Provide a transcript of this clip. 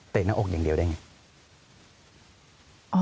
เตะหน้าอกอย่างเดียวได้อย่างไร